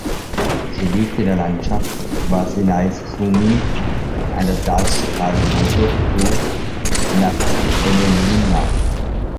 Sie liegt in der Landschaft Varsinais-Suomi an der Staatsstraße von Turku nach Hämeenlinna.